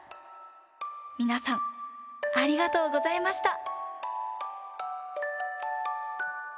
みなさんありがとうございました。